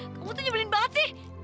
kamu tuh nyebelin banget sih